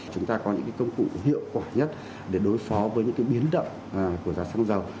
chúng ta có những công cụ hiệu quả nhất để đối phó với những biến động của giá xăng dầu